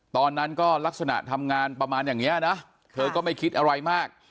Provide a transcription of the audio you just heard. ตอนนั้นก็ลักษณะทำงานประมาณอย่างนี้นะเธอก็ไม่คิดอะไรมาก